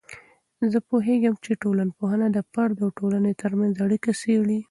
زه پوهیږم چې ټولنپوهنه د فرد او ټولنې ترمنځ اړیکه څیړي.